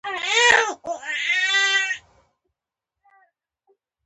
دا جګړه د انګلیسانو د واک پیل و.